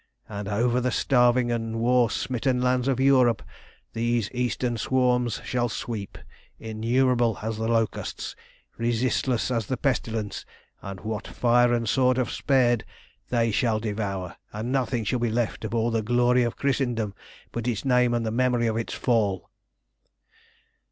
And over the starving and war smitten lands of Europe these Eastern swarms shall sweep, innumerable as the locusts, resistless as the pestilence, and what fire and sword have spared they shall devour, and nothing shall be left of all the glory of Christendom but its name and the memory of its fall!"